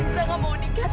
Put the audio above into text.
saya gak mau hidup lagi zak